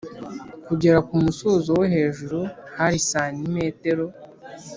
Kugera ku musozo wo hejuru hari santimetero